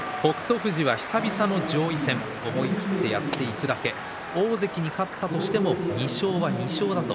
富士は久々の上位戦思い切ってやっていくだけ大関に勝ったとしても２勝は２勝だと。